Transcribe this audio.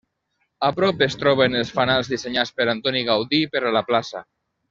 A prop es troben els fanals dissenyats per Antoni Gaudí per a la plaça.